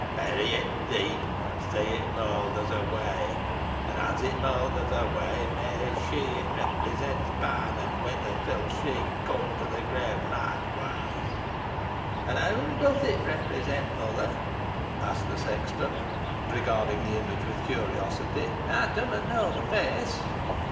"Bury it deep, and as it moulders away, may she it represents pine and wither, till she come to the grave likewise!" "An whoam doth it represent, mother?" asked the sexton, regarding the image with curiosity. "Ey dunna knoa the feace?"